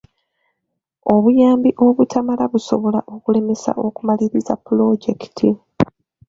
Obuyambi obutamala busobola okulemesa okumaliriza pulojekiti.